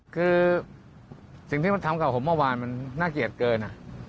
คือสิ่งที่มันทำกับผมเมื่อวานมันน่าเกลียดเกิน